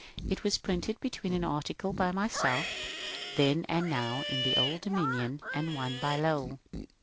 It was printed between an article by myself, *^ Then and Now in the Old Dominion," and one by Lowell.